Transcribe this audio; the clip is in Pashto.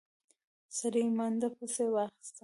سړي منډه پسې واخيسته.